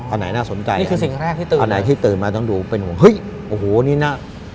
อ๋ออันไหนน่าสนใจอันไหนที่ตื่นมาต้องดูเป็นนี่นะ